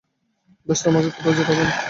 বেশ, তোমাকে কোথাও যেতে দেব না।